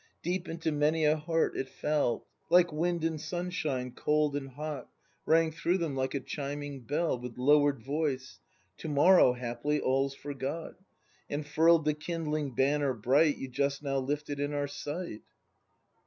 Deep into many a heart it fell. Like wind and sunshine, cold and hot, Rang through them like a chiming bell, — [With lowered voice.] To morrow, haply, all's forgot, And furl'd the kindling banner bright You just now lifted in our sight.